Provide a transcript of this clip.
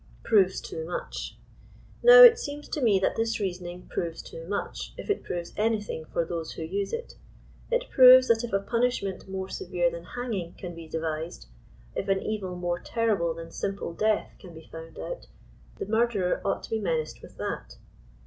PROVES TOO HUGH. Now it seems to me that this reasoning proves too much, if it proves anything for those who use it. It proves that if a punish' ment more severe than hanging can be devised, if an evil more ter rible than simple death can be found out, the murderer ought to be menaced with that.